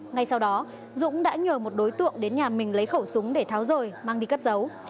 ngay sau đó dũng đã nhờ một đối tượng đến nhà mình lấy khẩu súng để tháo rời mang đi cắt dấu